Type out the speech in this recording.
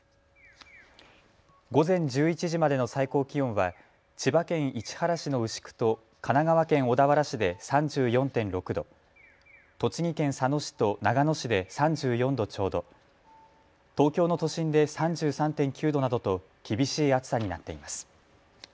午前１１時までの最高気温は千葉県市原市の牛久と神奈川県小田原市で３４．６度、栃木県佐野市と長野市で３４度ちょうど、東京の都心で３３．９度などと厳しい暑さになっています。